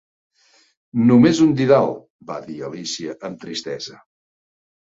"Només un didal", va dir Alícia amb tristesa.